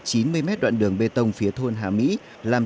chúng tôi sẽ xử lý